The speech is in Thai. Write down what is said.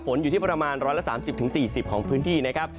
อยู่ที่ประมาณ๑๓๐๔๐ของพื้นที่นะครับ